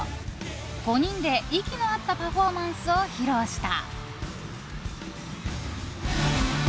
５人で息の合ったパフォーマンスを披露した。